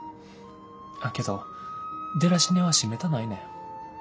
あっけどデラシネは閉めたないねん。